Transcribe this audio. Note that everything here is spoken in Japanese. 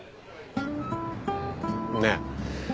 ねえ。